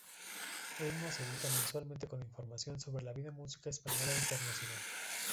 Ritmo se edita mensualmente con información sobre la vida musical española e internacional.